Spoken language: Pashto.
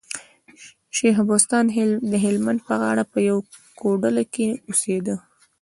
شېخ بستان د هلمند په غاړه په يوه کوډله کي اوسېدئ.